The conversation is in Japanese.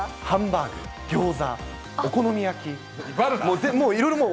ハンバーグ、ギョーザ、お好み焼き。